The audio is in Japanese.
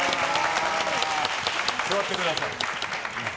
座ってください。